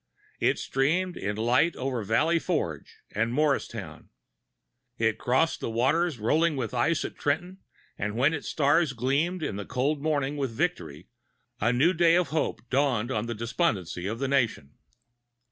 It streamed in light over Valley Forge and Mor[Pg 217]ristown. It crossed the waters rolling with ice at Trenton; and when its stars gleamed in the cold morning with victory, a new day of hope dawned on the despondency of the nation.